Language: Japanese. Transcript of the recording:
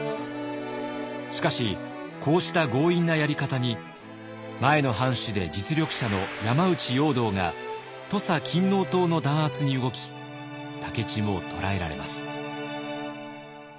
しかしこうした強引なやり方に前の藩主で実力者の山内容堂が土佐勤王党の弾圧に動き武市も捕らえられます。